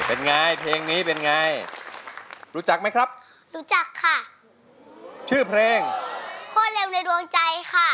เป็นไงเพลงนี้เป็นไงรู้จักไหมครับรู้จักค่ะชื่อเพลงพ่อเร็วในดวงใจค่ะ